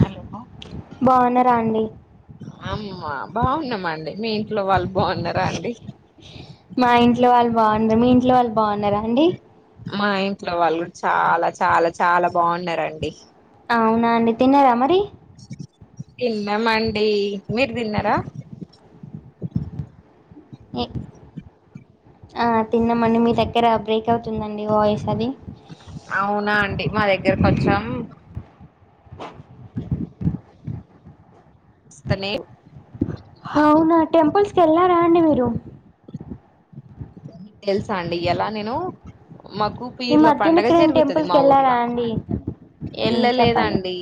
hello బాగున్నావా బాగున్నారా అండి [unintelligible] బాగున్నాం అండి మీ ఇంట్లో వాళ్ళు బాగున్నారా అండి మా ఇంట్లో వాళ్ళు బాగున్నారు మీ ఇంట్లో వాళ్ళు బాగున్నారా అండి మా ఇంట్లో వాళ్ళు కూడా చాలా చాలా చాలా బాగున్నారండి అవునా అండి తిన్నారా మరి తిన్నామండి మీరు తిన్నారా ఆ తిన్నమడి మీ దగ్గర బ్రేక్ అవుతుందండి వాయిస్ అది అవునా అండి మా దగ్గర కొంచెం స్తనేవు అవునా టెంపుల్స్ కఎల్లారాండి మీరు తెలుసా అండి ఇయలా నేను మాకూ ఈ పిర్ల మధ్యన పండగ ఎక్కడైనా జరుగుతది టెంపుల్కి మా వెళ్ళారా ఊర్లో అండి ఉమ్, చెప్పండి ఎళ్ళలేదండి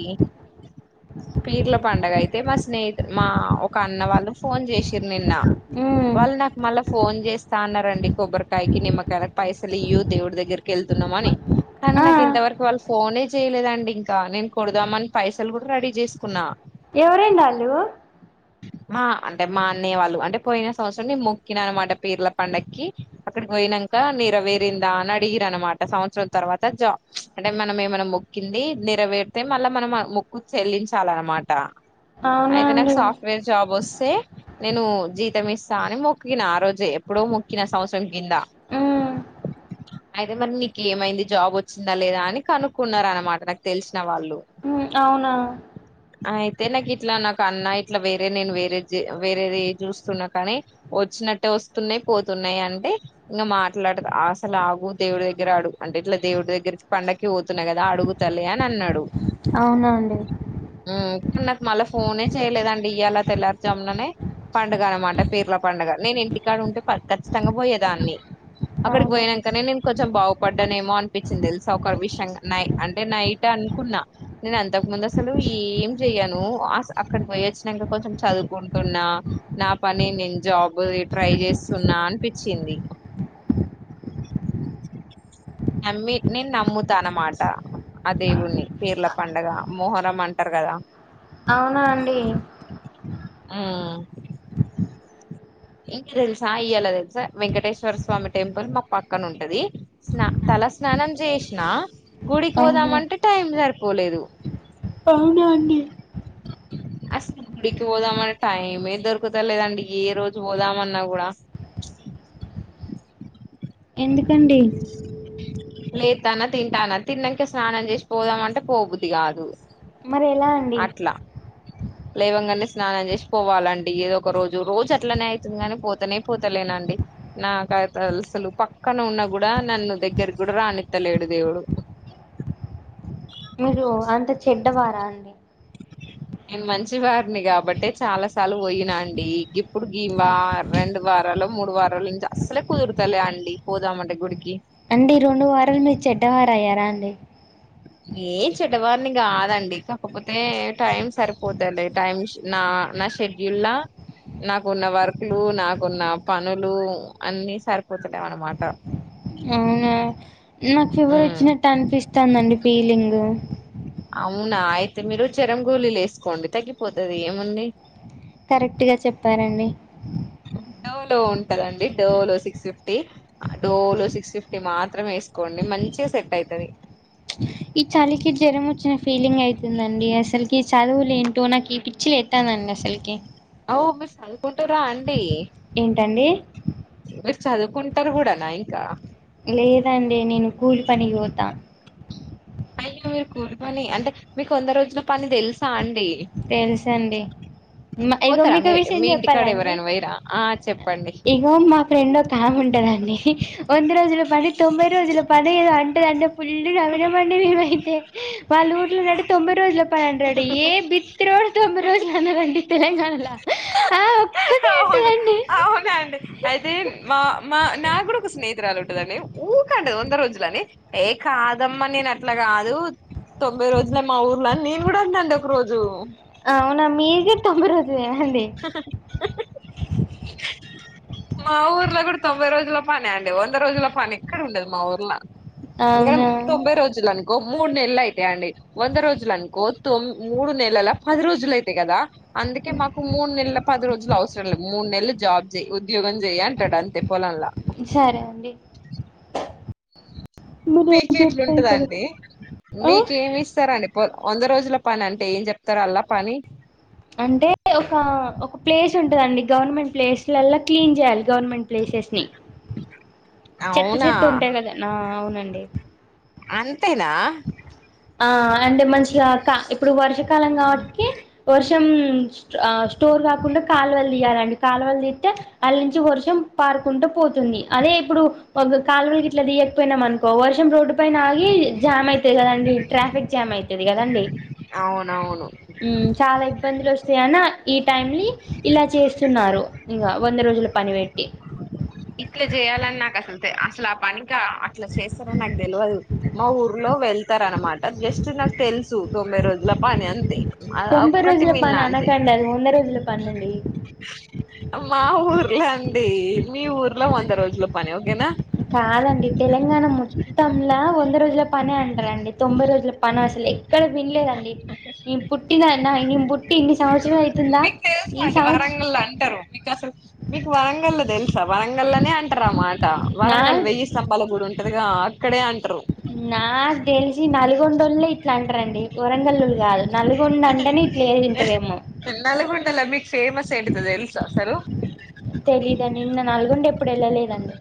పీర్ల పండగ అయితే అయితే మా స్నేహి మా ఒక అన్న వాళ్ళు ఫోన్ చేసిరు నిన్న ఉమ్, వాళ్ళు నాకు మళ్ళా ఫోన్ చేస్తా అన్నారండి కొబ్బరికాయకి నిమ్మకా పైసలు ఇయ్య దేవుడి దగ్గరికి వెళ్తున్నామని ఆ, కన్నకిింతవరకు వల్స్ ఫోనే చేయలేదండి ఇంకా నేను కుడదామని పైసలు కూడా రెడీ చేసుకున్నా ఎవరండాలు అంటే మా అంటే మా అన్నయ వాళ్ళు అంటే పోయిన సంవత్సరం నేను మొక్కినా అనమాట పీర్ల పండగకి అక్కడికి పోయిన నంక నీరవేరిందా అని అడిగిరనమాట సంవత్సరం తర్వాత జా అంటే మనం ఏమనా మొక్కింది నెరవేరితే మళ్ళా మనం ఆ ముక్కు చెల్లించాలన్నమాట అవునా అయితే నాకు అండి సాఫ్ట్వేర్ జాబ్ వస్తే నేను జీతం ఇస్తా అని మొక్కినా ఆ రోజు ఎప్పుడో మొక్కిన సంవత్సరం కింద ఊ అయితే మరి నీకు ఏమైంది జాబ్ వచ్చిందా లేదా అని కనుక్కున్నారు అనమాట నాకు తెలిసిన వాళ్ళు ఉ అవునా అయితే నాకు ఇట్లా నాకు అన్న ఇట్లా వేరే నేను వేరే వేరేది చూస్తున్నా కానీ వచ్చినట్టే వస్తున్నాయి పోతున్నాయి అంటే ఇంకా మాట్లాడదు అసలు ఆగు దేవుడి దగ్గర ఆడుగు అంటే ఇట్లా దేవుడి దగ్గర పండకి పోతున్న కదా అడుగుతలే అని అన్నాడు అవునా అండి ఉమ్, నాకు మళ్ళీ ఫోనే చేయలేదండి ఇయ్యాలా తెల్లారుజాములనే పండుగ అనమాట పీర్ల పండుగ నేను ఇంటికాడు ఉంటే ఖచ్చితంగా పోయేదాన్ని అక్కడికి అవునా పోయినంక నేను కొద్ కొంచెం బాగుపడ్డానేమో అనిపించింది తెలుసా ఒక విషయం నై అంటే నైట్ అనుకున్నా నేను అంతకు ముందు నేన్ అసలు ఏం చెయను అస్ అక్కడికి పోయచ్ ఇంక కొంచెం చదువుకుంటున్నా నా పని నేను జాబ ట్రై చేస్తున్నా అనిపించింది ది నమ్మి నేను నమ్ముతానమాట ఆ దేవుణని పీర్ల పండుగ మొహరం అంటారుగా కద అవునా అండి ఊ ఇంక తెలుసా ఇయలా తెలుసా వెంకటేశ్వర స్వామి టెంపుల్ మా పక్కన ఉంటది స్నా త తలా స్నానం చేసినా గుడికి అవునా పోదామంటే టైం సరిపోలేదు అవున అండి అసలు గుడికి పోదామని టైమే దొరుకుత లేదండి ఏ రోజు పోదామన్నా కూడా ఎందుకండి లేతానా తింటానా తిన్నాకే స్నానం చేసి పోదామంటే పోబుద్ది కాదు మరి ఎలా అండి లేవంగనే స్నానం చేసి పోవాలండి ఏదో ఒక రోజు రోజు అట్లనే అయితుంది గాని పోతనే పోతలేనండి నాకు అసలు పక్కన ఉన్న గూడా నన్ను దగ్గరకి గూడా రానిత్తలేడు దేవుడు మీరు అంత చెడ్డవారా అండి [inaudible] నేను మంచి వారిని గాబట్టే చాలా సార్లు బోయినా అండి ఇప్పుడు గీ రెండు వారాలు మూడు వారాలు ఇంక అసలే కుదురుతలే అండి పోదామంటే గుడికి అండి రెండు వారాలు మీరు చెడ్డవారు అయ్యారా అండి ఏ చెడ్డవారిని గాదండి కాకపోతే టైం సరిపోతలే టైమ్ నా ఆ నా షెడ్యూల నాకున్న వర్క్లు నాకున్న పనులు అన్నిసరిపోతుంటయ్ అన్నమాట అవునా నాకు ఫివరు ఉమ్, వచ్చినట్టు అనిపిస్తందండి ఫీలింగ్ అవునా అయితే మీరు చెరం గోలీలు యేసుకోండి తగ్గిపోతది ఏముంది కరెక్ట్ గా చెప్పారండి డో లో ఉంటదండి డో లో సిక్స్ ఫిఫ్టీ డో లో సిక్స్ ఫిఫ్టీ మాత్రమే యేసుకోండి మంచిగా సెట్ అయితది [inaudible] ఈ చలికి జ్వరం వచ్చిన ఫీలింగ్ అయితుందండి అసలుకి ఈ చదువులు ఏంటో నాకు ఈ పిచ్చి లేతంది అండి అసల్కి ఓ మీరు సదువుకుంటూ రాండి ఏంటండి మీరు చదువుకుంటరు గూడా నా ఇంకా లేదండి నేను కూలి పనికి పోతా అయ్యే మీరు కూలి పని అంటే మీకు వంద రోజుల పని దెలుసా అండి తెల్సండి ఇగో పోతారా మీకు మీరు విషయం మీ ఇంటికాడ చెప్పాలండి ఎవరైనా పోయిరా ఆ చెప్పండి ఇగో మా ఫ్రెండ్ ఒక ఆమె ఉంటది ఉంటదండి వంద రోజుల పని తొంభై రోజుల పని ఏదో అంటదండి ఫుల్లు నవీనమండి మేమై తే వాళ్ళ ఊర్లో నట తొంభై రోజుల పని అంటరట ఏ బిత్ త్తిరోడు తొంభై రోజులు అనరండి తెలంగాణలో ఆ ఒక్కతే అవును అంటదండి అవునండి అయితే మా మా నా గూడ ఒక స్నేహి తురాలు ఉంటదండి ఊకంటదండి వంద రోజులని ఏ కాదమ్మ నేన్ అట్లా కాదు తొంభై రోజులే మా ఊర్లోనేను గూడా అన్న అండి ఒక రోజు అవునా మీరు గూడా తొంబై రోజులే అండి మా ఊర్లో గూడా తొంభై రోజుల పని అండి వంద రోజుల పని ఎక్కడ ఉండదు మా ఊర్ల అవునా ఎందుకంటే తొంభై రోజులు అనుకో మూడు నెలలు అయితాయి అండి వంద రోజులు అనుకో తొం మూడు నెలల పది రోజులు ఇతయ్ గదా అందుకే మాకు మూడు నెల పది రోజులు అవసరం లేదు మూడు నెలలు జాబ్ జేయ్ ఉద్యోగం జేయ్ అంటడు అంతే పొలంలా సరే అండి పీకెట్ల ఉంటదండి మీకేమి ఇస్తారండి పొలం వంద రోజుల పని అంటే ఏం జెప్తరు అల్లా పని అంటే ఒక ఒక ప్లేస్ ఉంటదండి గవర్నమెంట్ ప్లేస్లలా క్లీన్ చేయాలి గవర్నమెంట్ ప్లేసెస్ ని చెత్త అవునా చెత్త ఉంటాయి గదా ఆ అవునండి అంతేనా ఆ అంటే మంచిగా ఇప్పుడు వర్షాకాలం గాబట్టికి వర్ష అ స్టోర్ కాకుండా కాలువలు తీయాలండి కాలువలు దీత్తే అందులో నుంచి వర్షం పా కుంట పోతుంది అదే ఇప్పుడు ఒక కాలువలుకి ఇట్లా దియకపోయినా అనుకో వర్షం రోడ్డు పైన ఆగి జామ్ అయితది కదండి ట్రాఫిక్ జామ్ అయితది కదండి అవునవును మ్ చాలా ఇబ్బందులు వస్తాయాన్న ఈ టైంని ఇలా చేస్తున్నారు ఇంగా వంద రోజుల పని పెట్టి ఇట్లా చేయాలని నాకు అసలు అసలు ఆ పనికి అట్లా చేస్తారని నాకు తెలువదు మా ఊర్లో ఎళ్తారనమాట జస్ట్ నాకు తెలుసు తొంభై రోజుల పని అంతే అది తొంభై ఒక్కటి రోజుల విన్నా పని అంతే అనకండి అది వంద రోజుల పని అండి మా ఊర్లో అండి మీ ఊర్లో వంద రోజుల పని ఓకేనా కాదండి తెలంగాణ మొత్తంలా వంద రోజుల పనే అంటారండి తొంభై రోజుల పని అసలు ఎక్కడ వినలేదండి నేను పుట్టిన నేను బుట్టి ఇన్ని సం మీకు తెలుసా అండి వరంగల్లో అంటారు మీకు అసలు మీకు వరంగల్లో తెలుసు వరంగల్నే అంటారు అ మాట నా వరంగల్ వెయ్యి స్తంభాల గుడి ఉంటదిగా అక్కడే అంటారు నాకు తెలిసి నల్గొండోళ్లే ఇట్లా అంటారండి వరంగల్లు గాదు నల్గొండ అంటేనే ఇట్లా అం టవేమో నల్లగొండల మీక్ ఫేమస్ ఏంటిదో తెలుసా అసలు తెలీదండి నేను నల్గొండే ఎప్పుడు ఎళ్ళలేదండి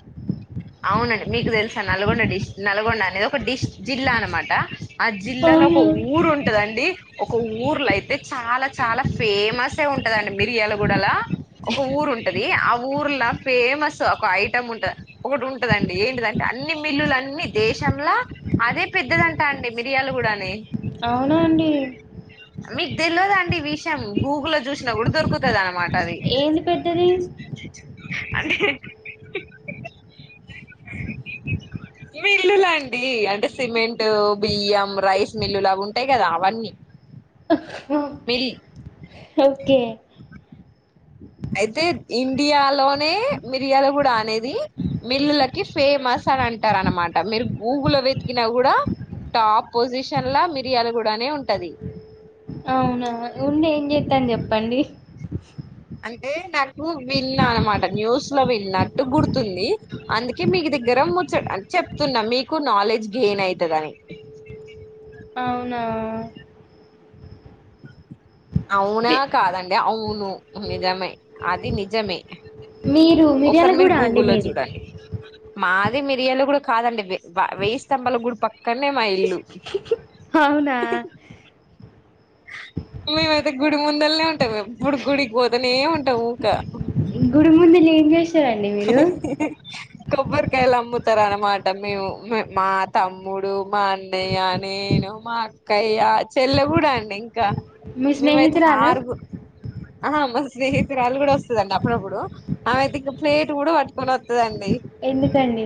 అవునండి మీకు తెలుసా నల్గొండ డిస్ నల్గొండ అనేది ఒక డిస్ జిల్లా అనమాట ఆ జిల్లాలో ఒక అవునా ఊరు ఉంటదండి ఒక ఊర్లో అయితే చాలా చాలా ఫేమస్ ఎ ఉంటదండి మిర్యాలగూడలా ఒక ఊరు ఉంటది ఆ ఊర్లా ఫేమస్ ఒక ఐటమ్ ఉంటది ఒకటి ఉంటదండి ఏంటిదంటే అన్ని మిల్లుల అన్ని దేశంలా అదే పెద్దదంటా అండి మిర్యాలగోడా గనే అవునా అండి మీకు తెలియదండి ఈ విషయం గూగుల్లో లో చూసినా గూడా దొరుకుతుంది అన్నమాట ఏంది పెద్దది అంటే [inaudible] మిల్లులు అండి అంటే సిమెంట్ బియ్యం రైస్ మిల్లులు అవి ఉంటాయి గదా అవన్నీ మిల్ ఓకే అయితే ఇండియాలోనే మిర్యాలగుడా అనేది మిల్లులకి ఫేమస్ అని అంటార అనమాట మీరు గూగుల్లో వెతికినా గూడా టాప్ పొజిషనల్లా మిర్యాలగుడానే ఉంటది అవునా ఉండి ఏం చేస్తాం చెప్పండి ఎ నాకు విన్న అనమాట న్యూస్ వినట్టు గుర్తుతుంది అందుకే మీదగ్గర ముచ్చట చెప్తున్నా మీకు నాలెడ్జ్ గేమ్ నన్యితదాని అవునా [inaudible] అవునా కాదండి అవును నిజమే అది నిజమే మీరు మిర్యాల ఒకసారి మీరు గూడ అండి గూగుల్లో మీది చూడండి మాది మిర్యాలగుడా కాదండి వేయి స్తంభాల గుడి పక్క అక్కనే మా ఇల్లు అవునా మేమైతే గుడి ముందల్నే [unintelligible] టాం ఎప్పుడూ గుడికి పోతానే ఉంటాం ఊక మీరు మళ్ళీ ఏం చేశారండి మీరు కొబ్బరికాయలు అమ్ముతారు అనమాట మేము మా తమ్ముడు మా అన్నయ్య నేను మా అక్కయ చెల్లె కూడా అండి ఇంకా కా మీ మేమైతే స్నేహితురాలు హార్గు ఆహా మా స్నేహితురాలు కూడా వస్ త్తదండి అప్పుడప్పుడు ఆమైతే ఇంగ ప్లేట్ కూడా పట్కొని వస్తుందండి ఎందుకండి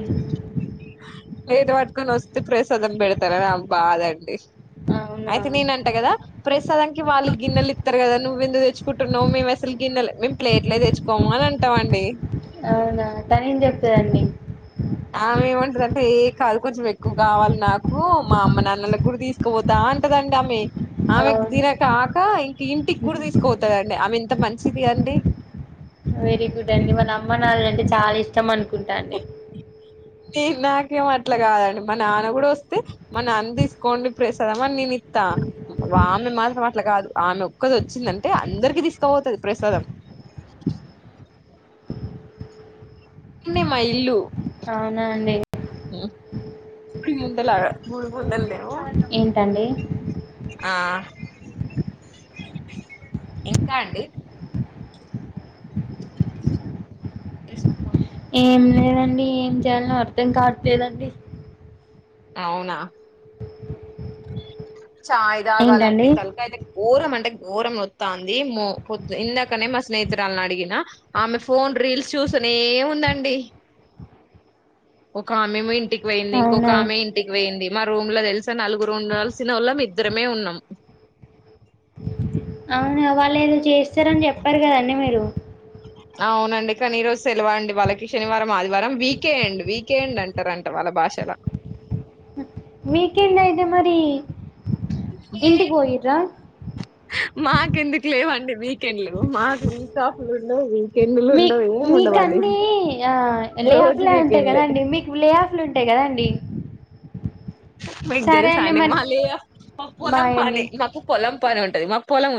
ప్లేట్ పట్టుకొని వస్తే ప్రసాదం పెడతారని ఆమె బాదండి అవునా అయితే నేను అంటా కదా ప్రసాదానికి వాళ్ళు గిన్నెలు ఇత్తారు కదా నువ్వు నువ్వు ఎందుకు తెచ్చుకుంటున్నావు మేము అసలు గిన్నెలు మేము ప్లేట్లే తెచ్చుకోము అని అంటాం అండి అవునా తనేం చెప్తదండి ఆమె ఏమంటది అంటే ఏ కాదు కొంచెం ఎక్కువ కావాలి నాకు మా అమ్మ నాన్నలకు కూడా తీసుకుపోతా అన్ అంటదండి ఆమె ఆమెకి అవును తిన కాక ఇంక ఇంటికి కూడా తీసుకపోతాదన్ డి ఆమె ఇంత మంచిది అండి వెరీ గుడ్ అండి వాళ్ళ అమ్మ నాన్నలంటే చాలా ఇష్టం అనుకుంటాండి తీ నాకేం అట్లా కాదండి మా నాన్న కూడా వస్తే మ నాన్న తీసుకోండి ప్రసాదము అని నేను ఇత్ త్త ఆమె మాత్రం అట్ల కాదు ఆమె ఒక్కది వచ్చిందంటే అందరికి తీసుకుపోతది ప్రసాదం ఈన్నే మా ఇల్లు అవునా అండి [unintelligible] లాగా మూడు పుటల్ది ఏంటండి ఇంక అండి తెస్ ఏం లేదండి ఏం చేయలో అర్థం కావట్లేదండి అవునా చాయ్ ఏంటండి తాగాలండి తలకయితే ఘోరం అంటే ఘోరం వ తాంది మో పొద్ ఇందాకనే మా స్నేహితురాలని అడిగిన ఆమె ఫోన్ రీల్స్ చూస్తానే ఉందండి ఒక ఆమెమో ఇంటికి పోయింది ఇంకొక అవునా ఆమె ఇంటికి పోయింది మా రూమ్ లో తెల్సా నలుగురు ఉండాల్స్ ల్సినోలం ఇద్దరమే ఉన్నాం అవును వాళ్ళు ఏదో చేస్తారని చెప్పారు కదండి మీరు అవునండి కానీ ఈ రోజు సెలవ అండి వాళ్ళకి శనివారం ఆదివారం వీకెండ్ వీకెండ్ అంటారంట వాళ్ళకి భాషలా మ్మ్ వీకెండ్ అయితే మరి ఇంటికి పొయ్యిర్ర మాకెందుకు లేవండి వీకెండ్లు మాకు వీక్ ఆఫ్ లు ఉండవ్ వీ మీ మీకు అన్నీ ఆ లే రోజు ఆఫ్లే ఉంటాయి వీకెండ్లే కదాండి మీకు లే ఆఫ్లు ఉంటాయి కదండి మీకు సరే తెలుసా అండి మరి మా లే ఆఫ్ మా పొలం బాయ్ అండి పని మాకు పొలం పని ఉంటది మాకు పొలం ఉంది